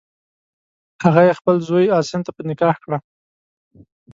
هغه یې خپل زوی عاصم ته په نکاح کړه.